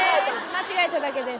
間違えただけです。